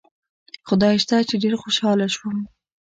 خدای شته چې ډېر خوشاله شوم.